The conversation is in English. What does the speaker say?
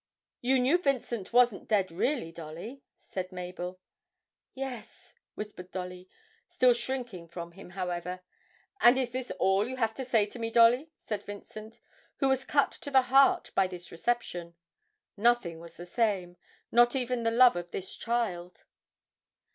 'You knew Vincent wasn't dead really, Dolly?' said Mabel. 'Yes,' whispered Dolly, still shrinking from him, however. 'And is this all you have to say to me, Dolly?' said Vincent, who was cut to the heart by this reception. Nothing was the same not even the love of this child.